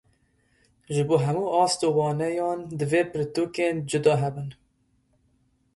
Ji bo hemû ast û waneyan divê pirtûkên cuda hebin.